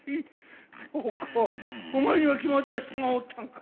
そうかお前には決まった人がおったんか。